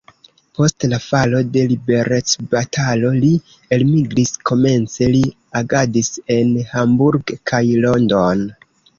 Post la falo de liberecbatalo li elmigris, komence li agadis en Hamburg kaj London.